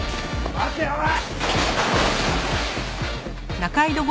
待ておい！